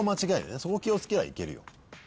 そこ気を付ければいけるよ。